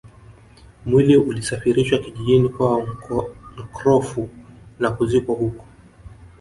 Mwili ulisafirishwa kijijini kwao Nkrofu na kuzikwa huko